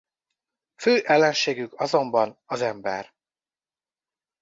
Fő ellenségük azonban az ember.